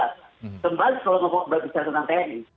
kembali kalau berbicara tentang tni